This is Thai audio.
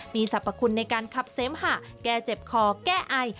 มีสรรพคุณในการขับเสมหะแก้เจ็บคอแก้ไอ